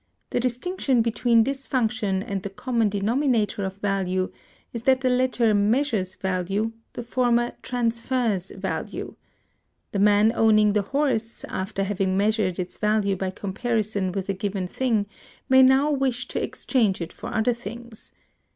The distinction between this function and the common denominator of value is that the latter measures value, the former transfers value. The man owning the horse, after having measured its value by comparison with a given thing, may now wish to exchange it for other things.